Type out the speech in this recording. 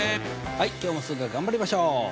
はい今日も数学頑張りましょう！